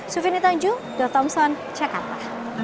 sufini tanju dotomson jakarta